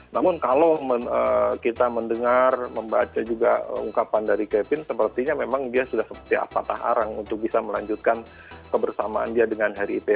namun kalau kita mendengar membaca juga ungkapan dari kevin sepertinya memang dia sudah seperti apatah arang untuk bisa melanjutkan kebersamaan dia dengan harry ipe